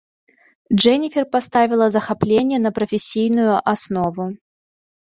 Джэніфер паставіла захапленне на прафесійную аснову.